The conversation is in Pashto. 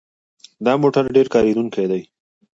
دا موټر ډېر کارېدونکی دی.